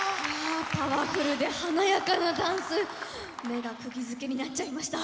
パワフルで華やかなダンス目がくぎづけになっちゃいました。